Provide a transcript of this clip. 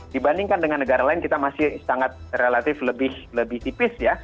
dibandingkan dengan negara lain kita masih sangat relatif lebih tipis ya